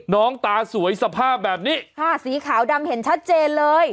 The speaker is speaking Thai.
ตาสวยสภาพแบบนี้ผ้าสีขาวดำเห็นชัดเจนเลย